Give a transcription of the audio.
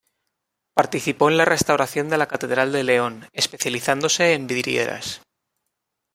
Participó en la restauración de la catedral de León, especializándose en vidrieras.